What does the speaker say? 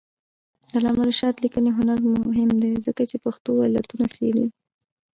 د علامه رشاد لیکنی هنر مهم دی ځکه چې پېښو علتونه څېړي.